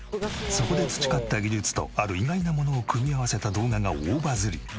そこで培った技術とある意外なものを組み合わせた動画が大バズり。